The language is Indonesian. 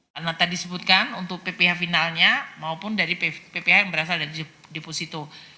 karena tadi disebutkan untuk pph finalnya maupun dari pph yang berasal dari deposito